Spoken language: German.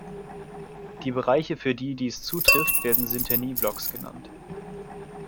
Die Bereiche, für die dies zutrifft, werden Syntänie-Blocks genannt.